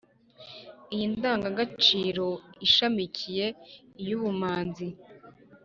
iyi ndanga gaciro ishamikiyeho iy’ubumanzi,